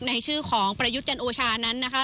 ในชื่อของประยุทธ์จันโอชานั้นนะคะ